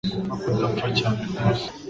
Gupfa kudapfa cyane rwose